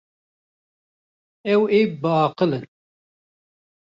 Ew ê bialiqin.